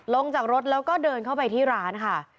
ลงจากรถแล้วก็เดินเข้าไปที่ร้านค่ะ